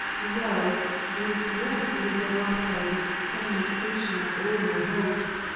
Well! I was woefully done up by this sudden extinction of all my hopes.